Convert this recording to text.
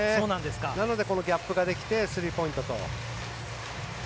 なので、ギャップができてスリーポイントと。